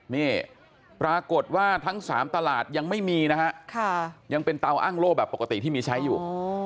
นี่ปรากฏว่าทั้ง๓ตลาดยังไม่มีนะฮะยังเป็นเตาอ้างโล่แบบปกติที่มีใช้อยู่